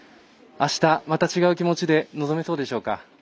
あした、また違う気持ちで臨めそうでしょうか。